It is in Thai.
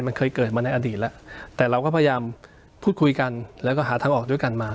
มันเคยเกิดมาในอดีตแล้วแต่เราก็พยายามพูดคุยกันแล้วก็หาทางออกด้วยกันมา